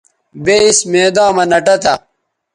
بے اِس میداں مہ نہ ٹہ تھا